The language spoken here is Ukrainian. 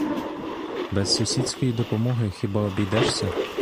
Без сусідської допомоги хіба обійдешся?